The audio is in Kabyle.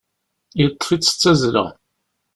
Yeṭṭef-itt d tazzla.